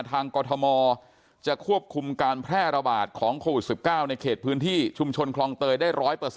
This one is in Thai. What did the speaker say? กรทมจะควบคุมการแพร่ระบาดของโควิด๑๙ในเขตพื้นที่ชุมชนคลองเตยได้๑๐๐